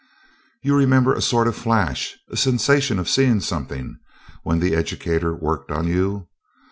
You remember a sort of flash a sensation of seeing something when the educator worked on you?